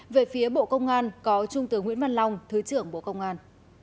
về phía bộ công an có trung tướng nguyễn văn long thứ trưởng bộ công an